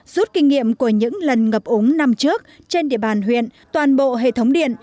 rút kinh nghiệm của những lần ngập ống năm trước trên địa bàn huyện toàn bộ hệ thống điện